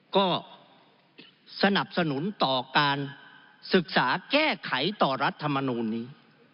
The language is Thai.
ก็สนับสนุนต่อการศึกษาแก้ไขต่อรัฐมนูลนี้